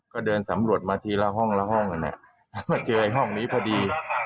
ก็เดินสำรวจมาทีละห้องละห้องมาเจอไอ้ห้องนี้พอดี